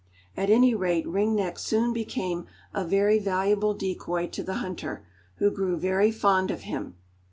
At any rate Ring Neck soon became a very valuable decoy to the hunter, who grew very fond of him.